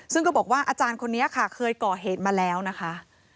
ซึ่งก็บอกว่าอาจารย์คนนี้ค่ะเคยก่อเหตุมาแล้วนะคะ